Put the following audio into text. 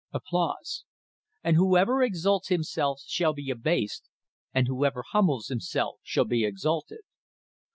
And whoever exalts himself shall be abased, and whoever humbles himself shall be exalted.